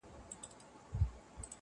ستونی ولي په نارو څیرې ناحقه؛